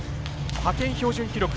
派遣標準記録